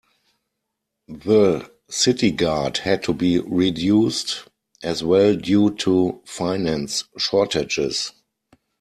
The city guard had to be reduced as well due to finance shortages.